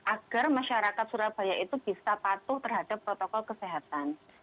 agar masyarakat surabaya itu bisa patuh terhadap protokol kesehatan